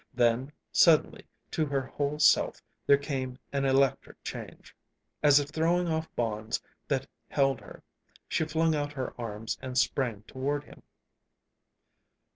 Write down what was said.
Then, suddenly, to her whole self there came an electric change. As if throwing off bonds that held her she flung out her arms and sprang toward him.